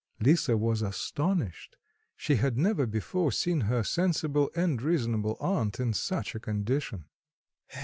Lisa was astonished; she had never before seen her sensible and reasonable aunt in such a condition.